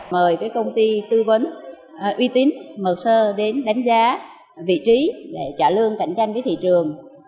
mời công ty tư vấn uy tín mở sơ đến đánh giá vị trí để trả lương cạnh tranh với thị trường